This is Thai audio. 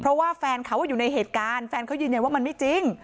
เพราะว่าแฟนเขาอยู่ในเหตุการณ์แฟนเขายืนยันว่ามันไม่จริง